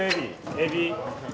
エビ。